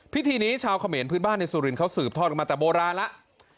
พิธีนี้ชาวเขมรพื้นบ้านในสุรินเขาสืบทอดกันมาแต่โบราณแล้ว